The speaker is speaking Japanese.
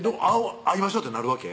会いましょうってなるわけ？